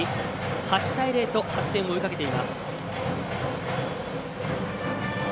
８対０と８点を追いかけています。